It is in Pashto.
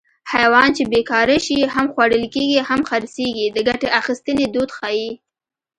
حیوان چې بېکاره شي هم خوړل کېږي هم خرڅېږي د ګټې اخیستنې دود ښيي